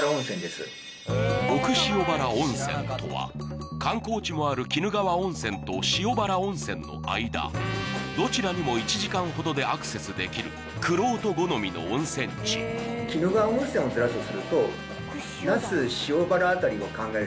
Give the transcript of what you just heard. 奥塩原温泉とは観光地もある鬼怒川温泉と塩原温泉の間どちらにも１時間ほどでアクセスできる玄人好みの温泉地何と。